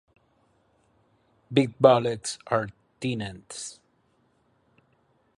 Big Bullets are tenants.